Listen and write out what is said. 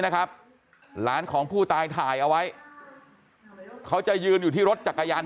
นะครับหลานของผู้ตายถ่ายเอาไว้เขาจะยืนอยู่ที่รถจักรยาน